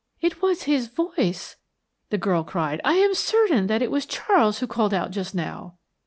"It was his voice," the girl cried. "I am certain that it was Charles who called out just now."